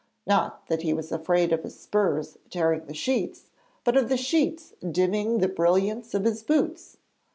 Not that he was afraid of his spurs tearing the sheets, but of the sheets dimming the brilliance of his boots.